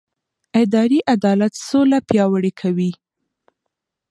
اداري عدالت سوله پیاوړې کوي